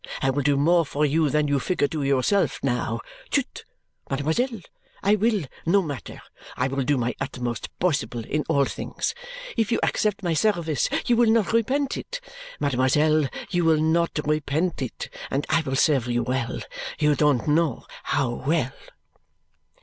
I will do more for you than you figure to yourself now. Chut! Mademoiselle, I will no matter, I will do my utmost possible in all things. If you accept my service, you will not repent it. Mademoiselle, you will not repent it, and I will serve you well. You don't know how well!"